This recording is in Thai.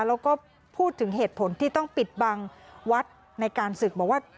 แล้วก็พูดถึงเหตุผลที่ต้องปิดบังวัดในการศึกบอกว่า